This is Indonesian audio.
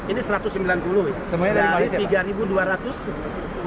ini rp satu ratus sembilan puluh dari rp tiga dua ratus